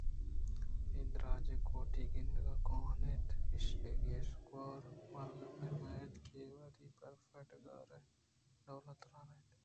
اے درٛاجیں کوٹی گندگ ءَ کوٛہن اَت ایشی ءِ کش ءُگوٛر باگ ءِ پیم ءَ اَت کہ اے وہدی برف ءِ ڈگار ءِ ڈول ءَ تالان ات